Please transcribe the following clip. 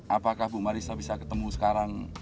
apakah bu marissa bisa ketemu sekarang